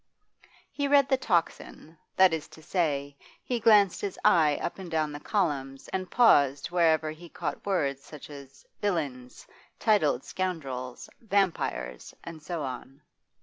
He read the 'Tocsin,' that is to say, he glanced his eye up and down the columns and paused wherever he caught words such as 'villains,' 'titled scoundrels,' 'vampires,' and so on.